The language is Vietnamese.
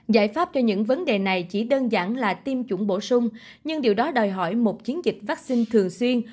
giải pháp cho những vấn đề này chỉ đơn giản là tiêm chủng bổ sung nhưng điều đó đòi hỏi một chiến dịch vaccine thường xuyên